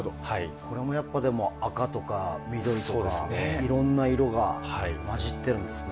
これも赤とか緑とかいろいろな色が混じっているんですね。